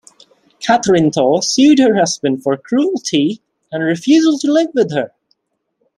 Katherine Thaw sued her husband for cruelty and "refusal to live with her".